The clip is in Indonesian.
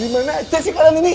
dari mana aja sekolah ini